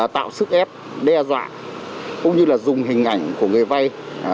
tạo sức ép đe dạng cũng như là dùng hình ảnh của người vai